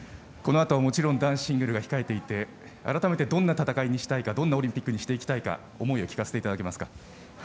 このあとはもちろん男子シングルが控えていて改めてどんな戦いにしたいかどんなオリンピックにしたいか思いを聞かせていただけますか。